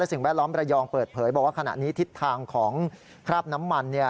สิ่งแวดล้อมระยองเปิดเผยบอกว่าขณะนี้ทิศทางของคราบน้ำมัน